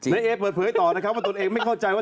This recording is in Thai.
นายเอเปิดเผยต่อนะครับว่าตนเองไม่เข้าใจว่า